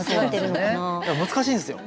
だから難しいんですよ。